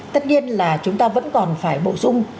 tất nhiên là chúng ta vẫn còn phải bổ sung